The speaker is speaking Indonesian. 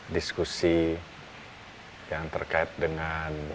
diskusi yang terkait dengan